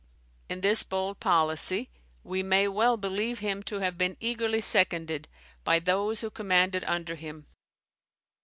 In this bold policy we may well believe him to have been eagerly seconded by those who commanded under him.